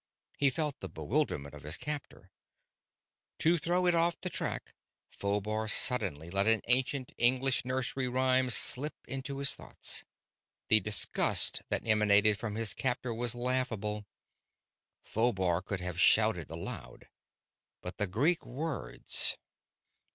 He felt the bewilderment of his captor. To throw it off the track, Phobar suddenly let an ancient English nursery rime slip into his thoughts. The disgust that emanated from his captor was laughable; Phobar could have shouted aloud. But the Greek words....